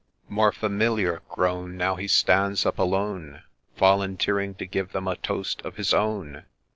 More familiar grown, Now he stands up alone, Volunteering to give them a toast of his own.